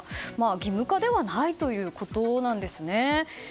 義務化ではないということですね。